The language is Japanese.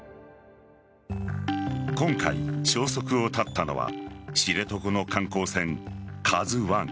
今回、消息を絶ったのは知床の観光船「ＫＡＺＵ１」